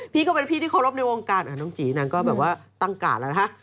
พี่ก็เป็นพี่ที่เคารพในวงการน้องจีนางก็แบบว่าตั้งการ์ดแล้วนะคะ